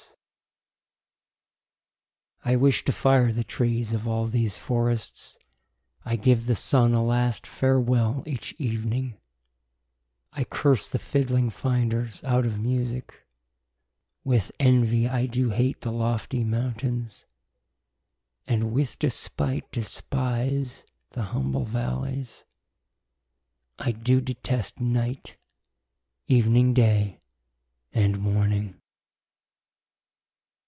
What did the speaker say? Strephon. I wish to fire the trees of all these forrests ; I give the Sunne a last farewell each evening ; I curse the fidling finders out of Musicke : With envie I doo hate the loftie mountaines ; And with despite despise the humble val/ies : I doo detest night , evening, day, and morning.